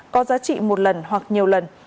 có giá trị một lần hoặc nhiều lần